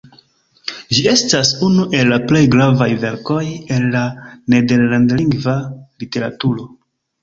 Ĝi estas unu el la plej gravaj verkoj el la nederlandlingva literaturo.